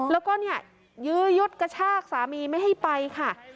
แล้วก็เนี่ยยื้อยุดกระชากสามีไม่ให้ไปค่ะ